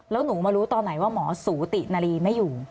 แล้วหนูมารู้ตอนไหนว่าหมอสูตินารีไม่อยู่